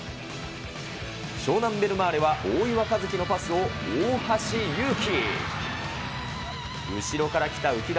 湘南ベルマーレは、大岩一貴のパスを大橋祐紀。